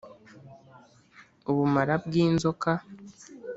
ubumara bw’inzoka